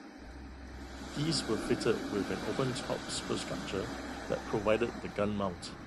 These were fitted with an open-top superstructure that provided the gun mount.